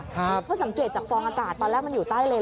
เพราะสังเกตจากฟองอากาศตอนแรกมันอยู่ใต้เลน